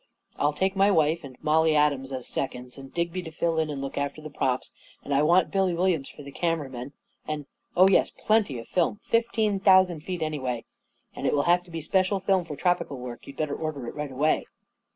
I'll take my wife and Mollie Adams as seconds; and Digby to fill in and look after the props ; and I want Billy W'Uiams for the cameraman. And — oh, yes — plenty of film — fifteen thousand feet, anyway. And it ffill have to be special film for tropical work. You'd better order it right away."